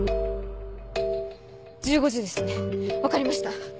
１５時ですね分かりました。